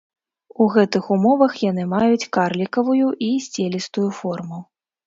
У гэтых умовах яны маюць карлікавую і сцелістую форму.